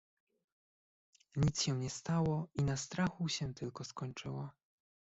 "nic się nie stało i na strachu się tylko skończyło."